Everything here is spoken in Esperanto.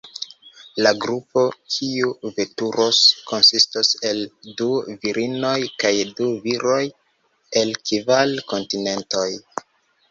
La grupo, kiu veturos, konsistos el du virinoj kaj du viroj, el kvar kontinentoj.